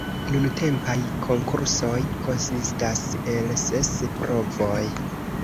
Nuntempaj konkursoj konsistas el ses provoj.